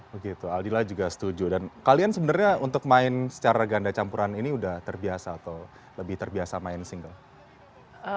begitu aldila juga setuju dan kalian sebenarnya untuk main secara ganda campuran ini sudah terbiasa atau lebih terbiasa main single